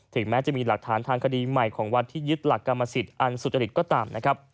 แม้จะมีหลักฐานทางคดีใหม่ของวัดที่ยึดหลักกรรมสิทธิ์อันสุจริตก็ตามนะครับ